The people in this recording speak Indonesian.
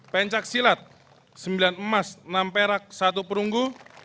pencak silat sembilan emas enam perak satu perunggu